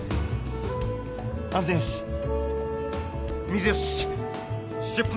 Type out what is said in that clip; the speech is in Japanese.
安全よし水よし出発